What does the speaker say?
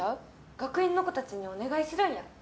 学院の子たちにお願いするんや。